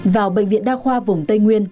vào bệnh viện đa khoa vùng tây nguyên